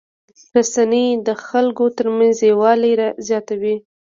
رسنۍ د خلکو ترمنځ یووالی زیاتوي.